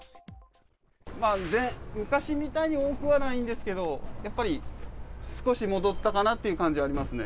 昔みたいに多くはないんですけど、やっぱり少し戻ったかなっていう感じはありますね。